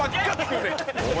お前。